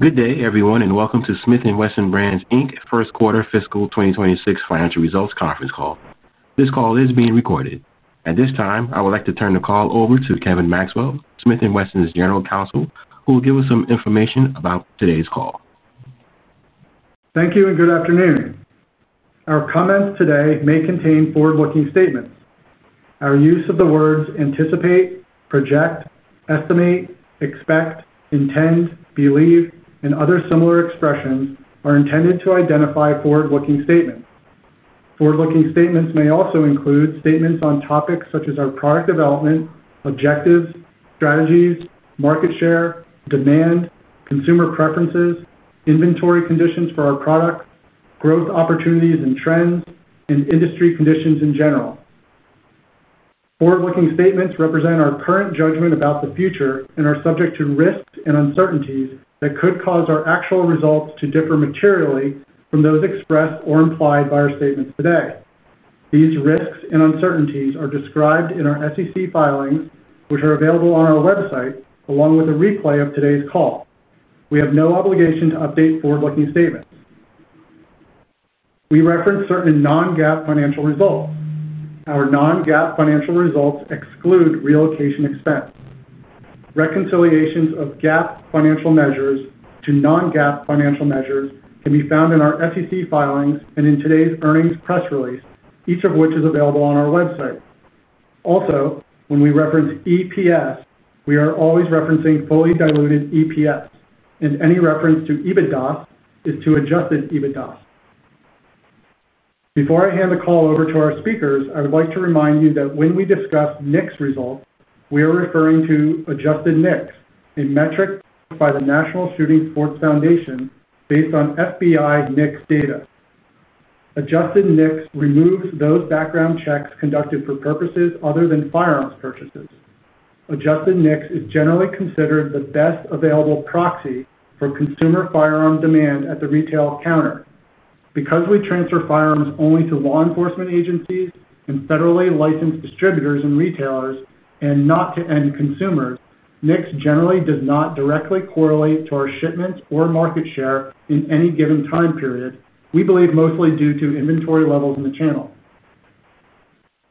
Good day, everyone, and welcome to Smith & Wesson Brands, Inc. First Quarter Fiscal 2026 Financial Results Conference Call. This call is being recorded. At this time, I would like to turn the call over to Kevin Maxwell, Smith & Wesson's General Counsel, who will give us some information about today's call. Thank you, and good afternoon. Our comments today may contain forward-looking statements. Our use of the words "anticipate," "project," "estimate," "expect," "intend," "believe," and other similar expressions are intended to identify forward-looking statements. Forward-looking statements may also include statements on topics such as our product development, objectives, strategies, et share, demand, consumer preferences, inventory conditions for our product, growth opportunities and trends, and industry conditions in general. Forward-looking statements represent our current judgment about the future and are subject to risks and uncertainties that could cause our actual results to differ materially from those expressed or implied by our statements today. These risks and uncertainties are described in our SEC filings, which are available on our website, along with a replay of today's call. We have no obligation to update forward-looking statements. We reference certain non-GAAP financial results. Our non-GAAP financial results exclude reallocation expense. Reconciliations of GAAP financial measures to non-GAAP financial measures can be found in our SEC filings and in today's earnings press release, each of which is available on our website. Also, when we reference EPS, we are always referencing fully diluted EPS, and any reference to EBITDA is to adjusted EBITDA. Before I hand the call over to our speakers, I would like to remind you that when we discuss NICS results, we are referring to adjusted NICS, a metric by the National Shooting Sports Foundation based on FBI NICS data. Adjusted NICS removes those background checks conducted for purposes other than firearms purchases. Adjusted NICS is generally considered the best available proxy for consumer firearm demand at the retail counter. Because we transfer firearms only to law enforcement agencies and federally licensed distributors and retailers, and not to any consumer, NICS generally does not directly correlate to our shipments or market share in any given time period, we believe mostly due to inventory levels in the channel.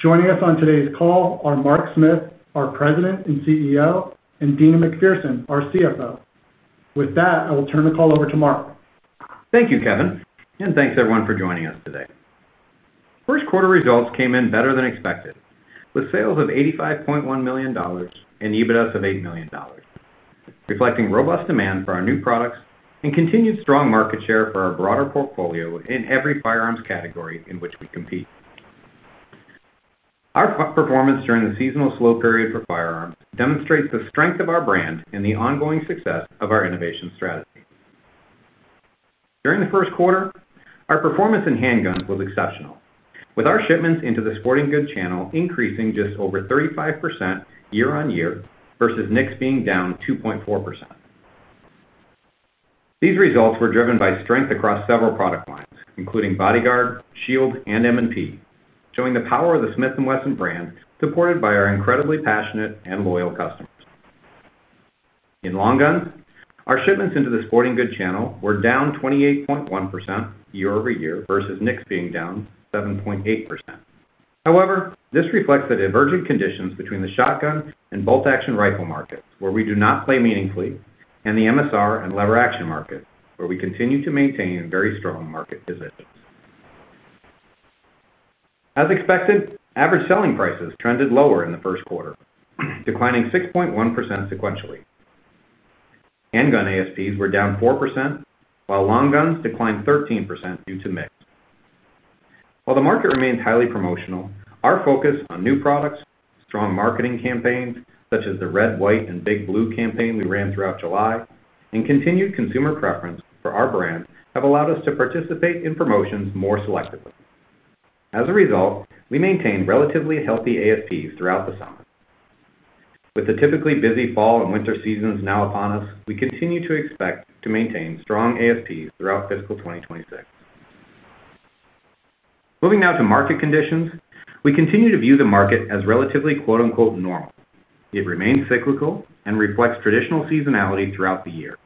Joining us on today's call are Mark Smith, our President and CEO, and Deana McPherson, our CFO. With that, I will turn the call over to Mark. Thank you, Kevin, and thanks everyone for joining us today. First quarter results came in better than expected, with sales of $85.1 million and EBITDA of $8 million, reflecting robust demand for our new products and continued strong market share for our broader portfolio in every firearms category in which we compete. Our performance during the seasonal slow period for firearms demonstrates the strength of our brand and the ongoing success of our innovation strategy. During the first quarter, our performance in handguns was exceptional, with our shipments into the sporting goods channel increasing just over 35% year-on-year versus NICS being down 2.4%. These results were driven by strength across several product lines, including Bodyguard, Shield, and M&P, showing the power of the Smith & Wesson brand supported by our incredibly passionate and loyal customers. In long guns, our shipments into the sporting goods channel were down 28.1% year-over-year versus NICS being down 7.8%. However, this reflects the divergent conditions between the shotgun and bolt-action rifle market, where we do not play meaningfully, and the MSR and lever-action market, where we continue to maintain very strong market position. As expected, average selling prices trended lower in the first quarter, declining 6.1% sequentially. Handgun ASPs were down 4%, while long guns declined 13% due to NICS. While the market remains highly promotional, our focus on new products, strong marketing campaigns such as the Red, White, and Big Blue campaign we ran throughout July, and continued consumer preference for our brand have allowed us to participate in promotions more selectively. As a result, we maintained relatively healthy ASPs throughout the summer. With the typically busy fall and winter seasons now upon us, we continue to expect to maintain strong ASPs throughout fiscal 2026. Moving now to market conditions, we continue to view the market as relatively "normal." It remains cyclical and reflects traditional seasonality throughout the year.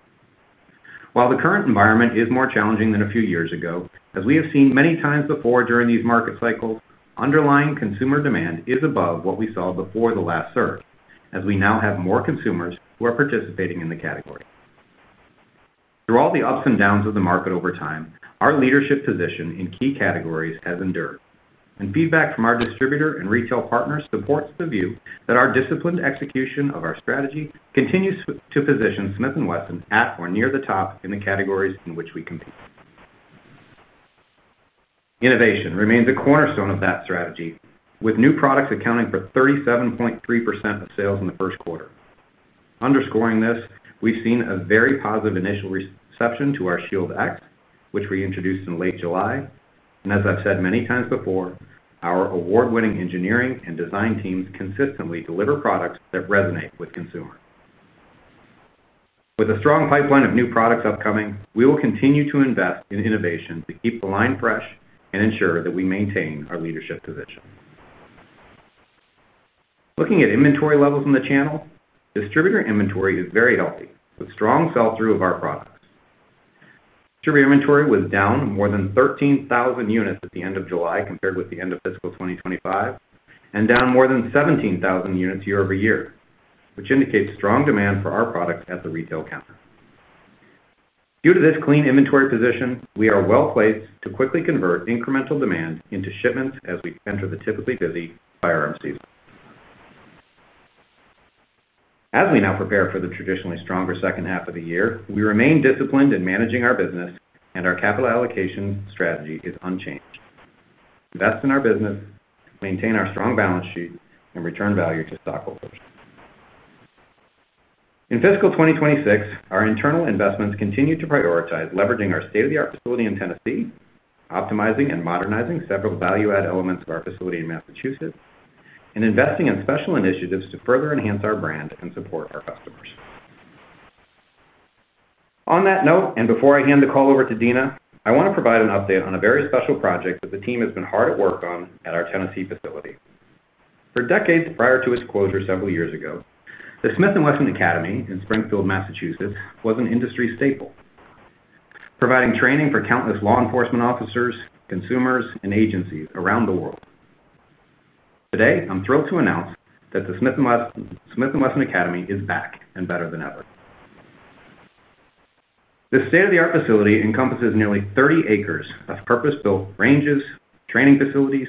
While the current environment is more challenging than a few years ago, as we have seen many times before during these market cycles, underlying consumer demand is above what we saw before the last surge, as we now have more consumers who are participating in the category. Through all the ups and downs of the market over time, our leadership position in key categories has endured, and feedback from our distributor and retail partners supports the view that our disciplined execution of our strategy continues to position Smith & Wesson at or near the top in the categories in which we compete. Innovation remains a cornerstone of that strategy, with new products accounting for 37.3% of sales in the first quarter. Underscoring this, we've seen a very positive initial reception to our Shield X, which we introduced in late July, and as I've said many times before, our award-winning engineering and design teams consistently deliver products that resonate with consumers. With a strong pipeline of new products upcoming, we will continue to invest in innovation to keep the line fresh and ensure that we maintain our leadership position. Looking at inventory levels in the channel, distributor inventory is very healthy, with strong sell-through of our products. Distributor inventory was down more than 13,000 units at the end of July compared with the end of fiscal 2025, and down more than 17,000 units year-over-year, which indicates strong demand for our products at the retail counter. Due to this clean inventory position, we are well placed to quickly convert incremental demand into shipments as we enter the typically busy firearms season. As we now prepare for the traditionally stronger second half of the year, we remain disciplined in managing our business, and our capital allocation strategy is unchanged. Invest in our business, maintain our strong balance sheet, and return value to stockholders. In fiscal 2026, our internal investments continue to prioritize leveraging our state-of-the-art facility in Tennessee, optimizing and modernizing several value-add elements of our facility in Massachusetts, and investing in special initiatives to further enhance our brand and support our customers. On that note, and before I hand the call over to Deana, I want to provide an update on a very special project that the team has been hard at work on at our Tennessee facility. For decades prior to its closure several years ago, the Smith & Wesson Academy in Springfield, Massachusetts, was an industry staple, providing training for countless law enforcement officers, consumers, and agencies around the world. Today, I'm thrilled to announce that the Smith & Wesson Academy is back and better than ever. This state-of-the-art facility encompasses nearly 30 acres of purpose-built ranges, training facilities,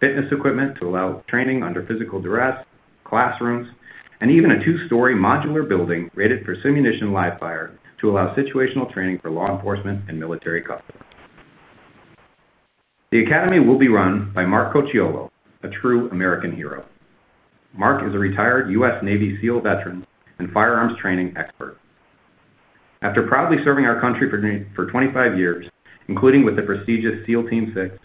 fitness equipment to allow training under physical duress, classrooms, and even a two-story modular building rated for simulation live fire to allow situational training for law enforcement and military customers. The Academy will be run by Mark Colciollo, a true American hero. Mark is a retired U.S. Navy SEAL veteran and firearms training expert. After proudly serving our country for 25 years, including with the prestigious SEAL Team Six,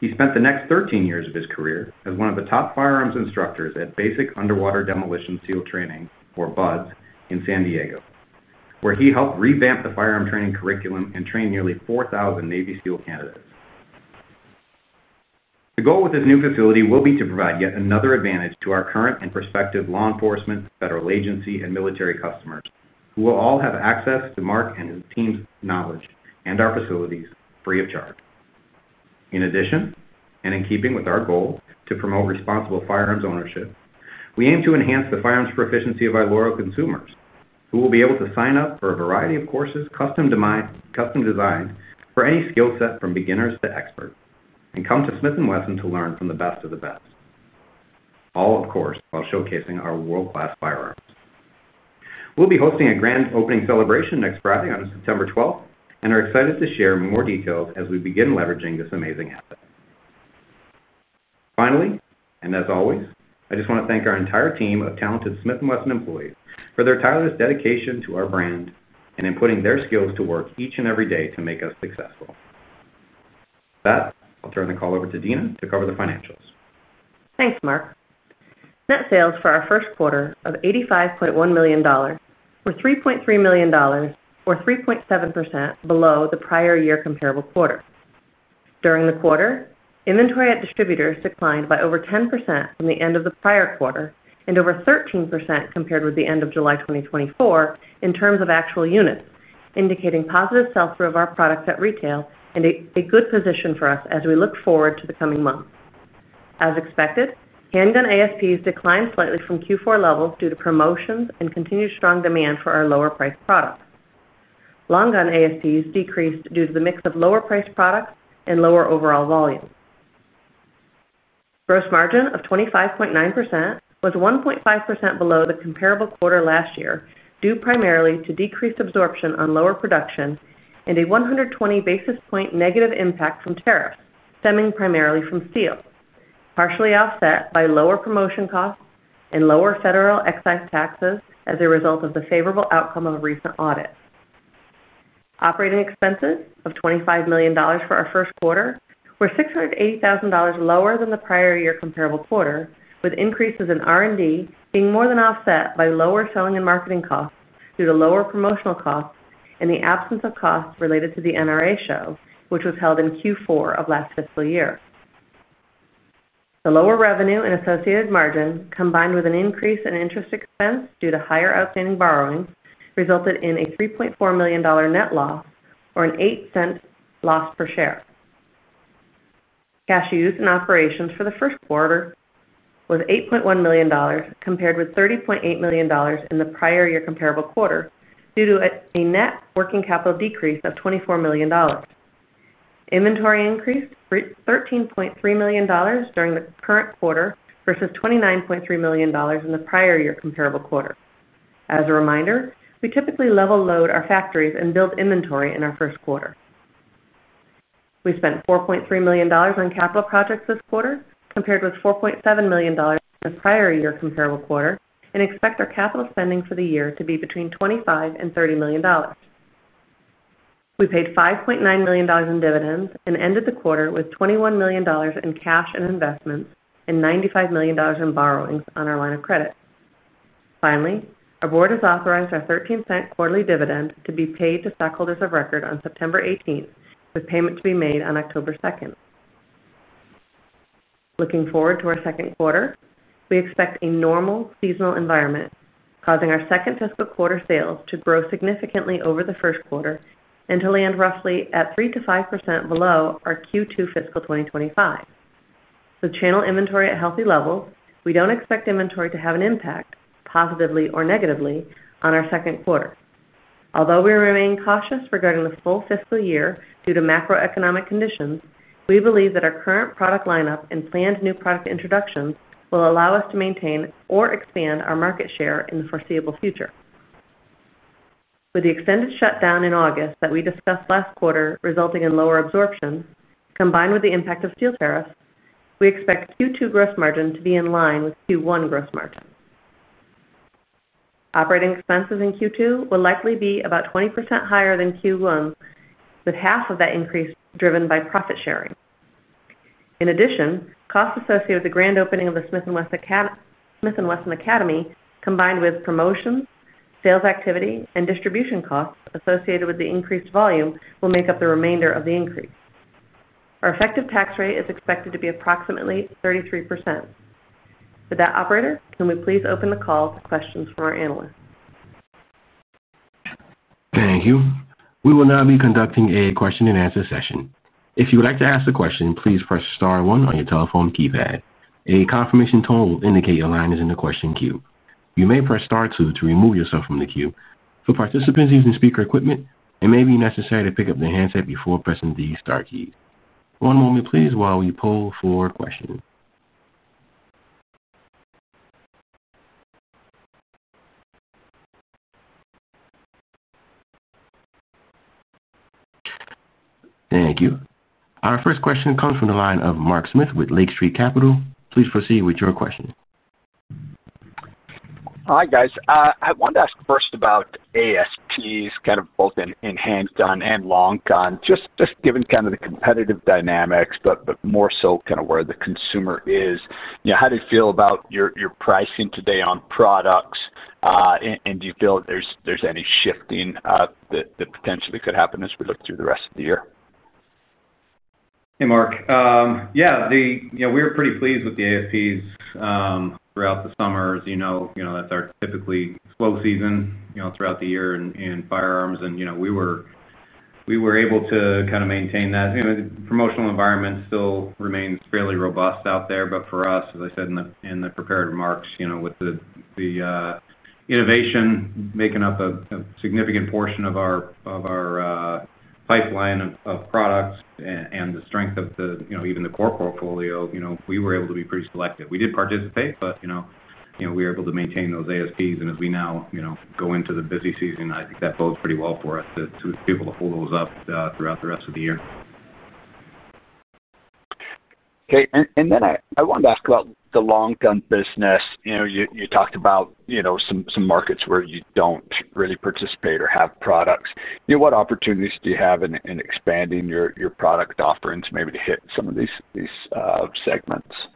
he spent the next 13 years of his career as one of the top firearms instructors at Basic Underwater Demolition SEAL Training, or BUD/S, in San Diego, where he helped revamp the firearm training curriculum and train nearly 4,000 Navy SEAL candidates. The goal with this new facility will be to provide yet another advantage to our current and prospective law enforcement, federal agency, and military customers, who will all have access to Mark and his team's knowledge and our facilities free of charge. In addition, and in keeping with our goal to promote responsible firearms ownership, we aim to enhance the firearms proficiency of our loyal consumers, who will be able to sign up for a variety of courses custom designed for any skill set from beginners to experts, and come to Smith & Wesson to learn from the best of the best. All, of course, while showcasing our world-class firearms. We'll be hosting a grand opening celebration next Friday on September 12, and are excited to share more details as we begin leveraging this amazing asset. Finally, and as always, I just want to thank our entire team of talented Smith & Wesson employees for their tireless dedication to our brand and in putting their skills to work each and every day to make us successful. With that, I'll turn the call over to Deana to cover the financials. Thanks, Mark. Net sales for our first quarter of $85.1 million were $3.3 million, or 3.7% below the prior year comparable quarter. During the quarter, inventory at distributors declined by over 10% from the end of the prior quarter and over 13% compared with the end of July 2024 in terms of actual units, indicating positive sell-through of our products at retail and a good position for us as we look forward to the coming month. As expected, handgun ASPs declined slightly from Q4 levels due to promotions and continued strong demand for our lower-priced products. Long gun ASPs decreased due to the mix of lower-priced products and lower overall volume. Gross margin of 25.9% was 1.5% below the comparable quarter last year, due primarily to decreased absorption on lower production and a 120 basis point negative impact from tariffs stemming primarily from steel, partially offset by lower promotional costs and lower federal excise taxes as a result of the favorable outcome of a recent audit. Operating expenses of $25 million for our first quarter were $680,000 lower than the prior year comparable quarter, with increases in R&D being more than offset by lower selling and marketing costs due to lower promotional costs and the absence of costs related to the NRA show, which was held in Q4 of last fiscal year. The lower revenue and associated margin, combined with an increase in interest expense due to higher outstanding borrowings, resulted in a $3.4 million net loss or an $0.08 loss per share. Cash used in operations for the first quarter was $8.1 million compared with $30.8 million in the prior year comparable quarter due to a net working capital decrease of $24 million. Inventory increased $13.3 million during the current quarter versus $29.3 million in the prior year comparable quarter. As a reminder, we typically level-load our factories and build inventory in our first quarter. We spent $4.3 million on capital projects this quarter compared with $4.7 million in the prior year comparable quarter and expect our capital spending for the year to be between $25 million and $30 million. We paid $5.9 million in dividends and ended the quarter with $21 million in cash and investments and $95 million in borrowings on our line of credit. Finally, our board has authorized our $0.13 quarterly dividend to be paid to stockholders of record on September 18th, with payment to be made on October 2nd. Looking forward to our second quarter, we expect a normal seasonal environment, causing our second fiscal quarter sales to grow significantly over the first quarter and to land roughly at 3% to 5% below our Q2 fiscal 2025. With channel inventory at healthy levels, we don't expect inventory to have an impact, positively or negatively, on our second quarter. Although we remain cautious regarding the full fiscal year due to macroeconomic conditions, we believe that our current product lineup and planned new product introductions will allow us to maintain or expand our market share in the foreseeable future. With the extended shutdown in August that we discussed last quarter resulting in lower absorption, combined with the impact of steel tariffs, we expect Q2 gross margin to be in line with Q1 gross margin. Operating expenses in Q2 will likely be about 20% higher than Q1, with half of that increase driven by profit sharing. In addition, costs associated with the grand opening of the Smith & Wesson Academy, combined with promotions, sales activity, and distribution costs associated with the increased volume, will make up the remainder of the increase. Our effective tax rate is expected to be approximately 33%. With that, operator, can we please open the call to questions for our analysts? Thank you. We will now be conducting a question-and-answer session. If you would like to ask a question, please press star one on your telephone keypad. A confirmation tone will indicate your line is in the question queue. You may press star two to remove yourself from the queue. For participants using speaker equipment, it may be necessary to pick up the handset before pressing the star key. One moment, please, while we pull for questions. Thank you. Our first question comes from the line of Mark Smith with Lake Street Capital Markets. Please proceed with your question. Hi, guys. I wanted to ask first about ASPs, kind of both in handgun and long gun, just given kind of the competitive dynamics, but more so kind of where the consumer is. How do you feel about your pricing today on products? Do you feel that there's any shifting that potentially could happen as we look through the rest of the year? Hey, Mark. Yeah, we're pretty pleased with the ASPs throughout the summer. As you know, that's our typically slow season throughout the year in firearms. We were able to kind of maintain that. The promotional environment still remains fairly robust out there. For us, as I said in the prepared remarks, with the innovation making up a significant portion of our pipeline of products and the strength of even the core portfolio, we were able to be pretty selective. We did participate, but we were able to maintain those ASPs. As we now go into the busy season, I think that bodes pretty well for us to be able to pull those up throughout the rest of the year. Okay. I wanted to ask about the long gun business. You talked about some markets where you don't really participate or have products. What opportunities do you have in expanding your product offerings maybe to hit some of these segments? Yeah,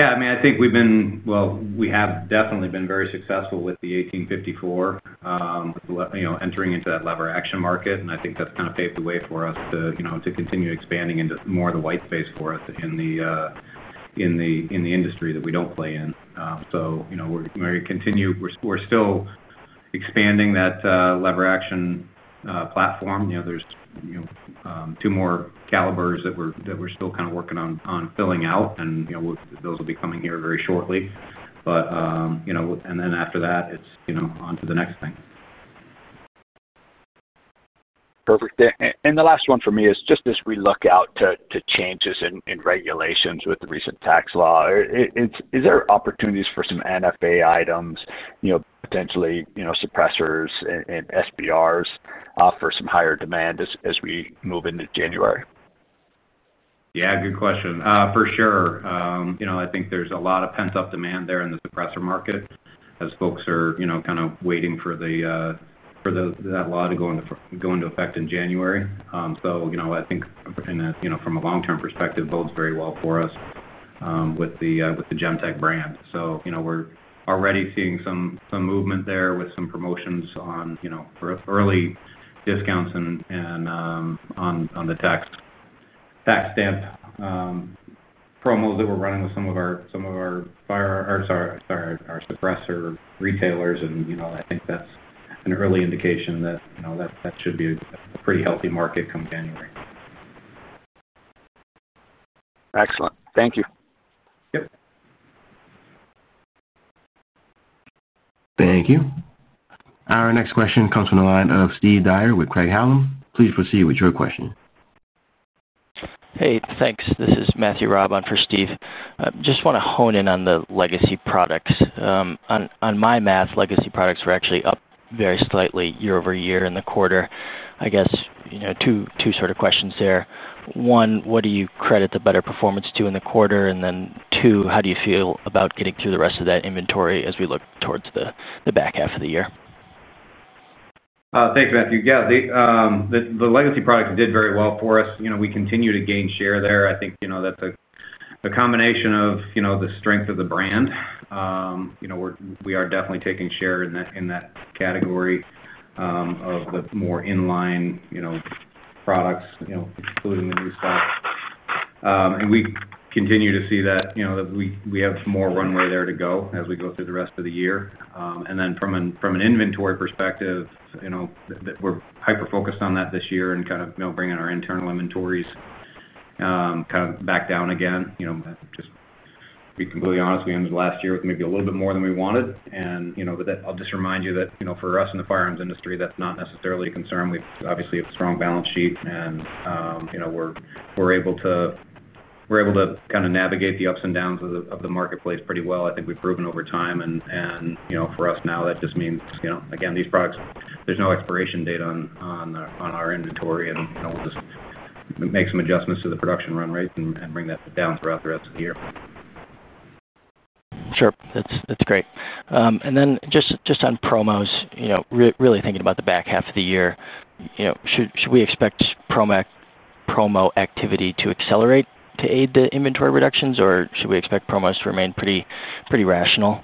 I mean, I think we've been, we have definitely been very successful with the 1854, you know, entering into that lever-action market. I think that's kind of paved the way for us to continue expanding into more of the white space for us in the industry that we don't play in. We're going to continue, we're still expanding that lever-action platform. There are two more calibers that we're still kind of working on filling out, and those will be coming here very shortly. After that, it's on to the next thing. Perfect. The last one for me is just as we look out to changes in regulations with the recent tax law, is there opportunities for some NFA items, you know, potentially, you know, suppressors and SBRs for some higher demand as we move into January? Yeah, good question. For sure. I think there's a lot of pent-up demand there in the suppressor market as folks are kind of waiting for that law to go into effect in January. I think, and that, from a long-term perspective, bodes very well for us with the Gemtech brand. We're already seeing some movement there with some promotions for early discounts and on the tax stamp promos that we're running with some of our suppressor retailers. I think that's an early indication that that should be a pretty healthy market come January. Excellent. Thank you. Yep. Thank you. Our next question comes from the line of Steve Dyer with Craig-Hallum. Please proceed with your question. Hey, thanks. This is Matthew Raab on for Steve. I just want to hone in on the legacy products. On my math, legacy products were actually up very slightly year-over-year in the quarter. I guess, you know, two sort of questions there. One, what do you credit the better performance to in the quarter? Two, how do you feel about getting through the rest of that inventory as we look towards the back half of the year? Thanks, Matthew. Yeah, the legacy products did very well for us. We continue to gain share there. I think that's a combination of the strength of the brand. We are definitely taking share in that category of the more in-line products, excluding the new stuff. We continue to see that we have some more runway there to go as we go through the rest of the year. From an inventory perspective, we're hyper-focused on that this year and bringing our internal inventories back down again. Just to be completely honest, we ended last year with maybe a little bit more than we wanted. I'll just remind you that for us in the firearms industry, that's not necessarily a concern. We obviously have a strong balance sheet and we're able to navigate the ups and downs of the marketplace pretty well, I think we've proven over time. For us now, that just means, again, these products, there's no expiration date on our inventory. We'll just make some adjustments to the production run rate and bring that down throughout the rest of the year. Sure. That's great. Just on promos, you know, really thinking about the back half of the year, should we expect promo activity to accelerate to aid the inventory reductions, or should we expect promos to remain pretty rational?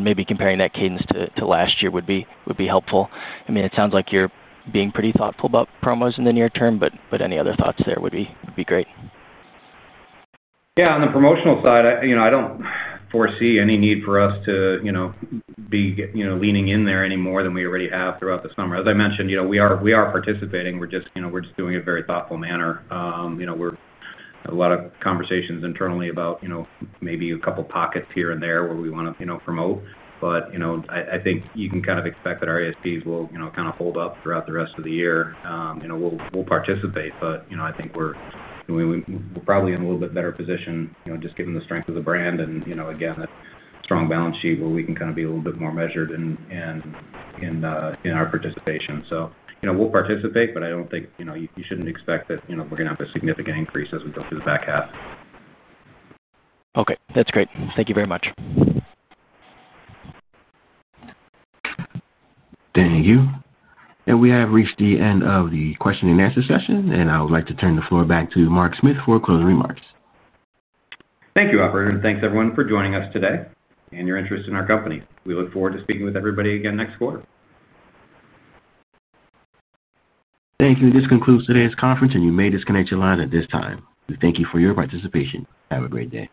Maybe comparing that cadence to last year would be helpful. It sounds like you're being pretty thoughtful about promos in the near-term, but any other thoughts there would be great? On the promotional side, I don't foresee any need for us to be leaning in there any more than we already have throughout the summer. As I mentioned, we are participating. We're just doing it in a very thoughtful manner. We're having a lot of conversations internally about maybe a couple of pockets here and there where we want to promote. I think you can kind of expect that our ASPs will kind of hold up throughout the rest of the year. We'll participate, but I think we're probably in a little bit better position, just given the strength of the brand and, again, that strong balance sheet where we can be a little bit more measured in our participation. We'll participate, but I don't think you should expect that we're going to have a significant increase as we go through the back half. Okay, that's great. Thank you very much. Thank you. We have reached the end of the question-and-answer session, and I would like to turn the floor back to Mark Smith for closing remarks. Thank you, operator, and thanks everyone for joining us today and your interest in our company. We look forward to speaking with everybody again next quarter. Thank you. This concludes today's conference, and you may disconnect your line at this time. We thank you for your participation. Have a great day.